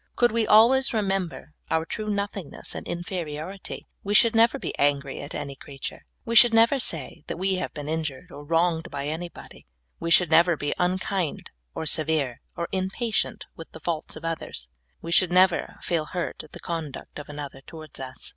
Could we always remember our true nothingness and inferiority, we should never be angry at any creature, we should never sa}^ that we have been injured or wronged by anybody, we should never be unkind or severe or impatient with the faults of others, we should never feel hurt at the con duct of another towards us.